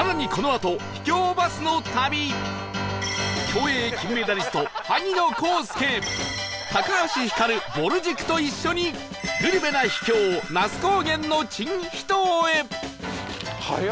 競泳金メダリスト萩野公介橋ひかるぼる塾と一緒にグルメな秘境那須高原の珍秘湯へ